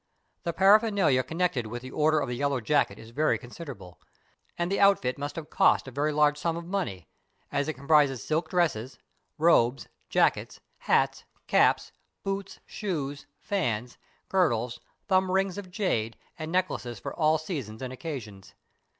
The paraphernalia connected with the order of the Yellow Jacket is very considerable, and the outfit must have cost a very large sum of money, as it comprises silk 202 RECEIVING THE YELLOW JACKET dresses, robes, jackets, hats, caps, boots, shoes, fans, girdles, thumb rings of jade, and necklaces for all sea sons and occasions.